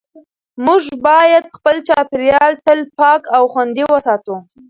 موږ باید خپل چاپېریال تل پاک او خوندي وساتو